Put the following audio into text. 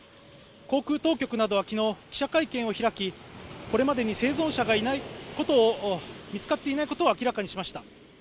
航空当局などはきのう記者会見を開きこれまでに生存者が見つかっていないことを明らかにしました